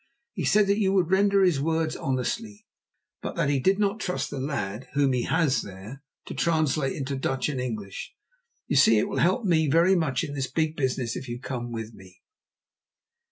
He said that you would render his words honestly, but that he did not trust the lad whom he has there to translate into Dutch and English. So you see it will help me very much in this big business if you come with me."